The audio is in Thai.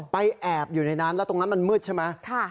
แอบอยู่ในนั้นแล้วตรงนั้นมันมืดใช่ไหม